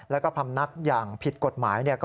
แล้วก็พำนักอย่างผิดกฎหมาย